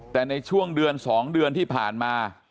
แต่ในช่วงเดือน๒เดือนที่ผ่านมา